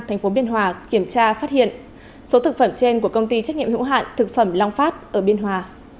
thành phố biên hòa kiểm tra phát hiện số thực phẩm trên của công ty trách nhiệm hữu hạn thực phẩm long phát ở biên hòa